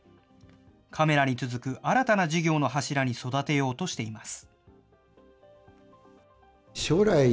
カメラに続く新たな事業の柱に育てようとしています。